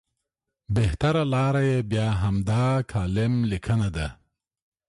بهتره لاره یې بیا همدا کالم لیکنه ده.